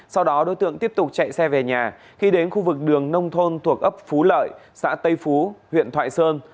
sau đó đối tượng tiếp tục chạy xe về nhà khi đến khu vực đường nông thôn thuộc ấp phú lợi xã tây phú huyện thoại sơn